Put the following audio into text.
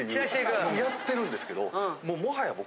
やってるんですけどもうもはや僕。